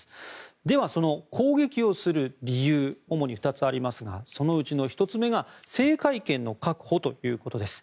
では、その攻撃をする理由主に２つありますがそのうちの１つ目が制海権の確保ということです。